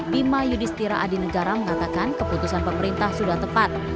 bima yudhistira adinegara mengatakan keputusan pemerintah sudah tepat